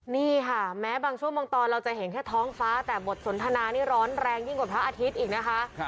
นี่ค่ะแม้บางช่วงบางตอนเราจะเห็นแค่ท้องฟ้าแต่บทสนทนานี่ร้อนแรงยิ่งกว่าพระอาทิตย์อีกนะคะ